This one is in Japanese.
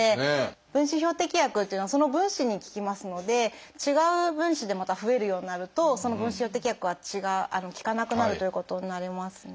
分子標的薬っていうのはその分子に効きますので違う分子でまた増えるようになるとその分子標的薬は違う効かなくなるということになりますね。